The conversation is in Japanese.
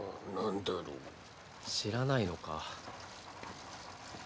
知らないのか。